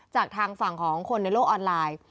จากทางฝั่งของคนในโลกออนไลน์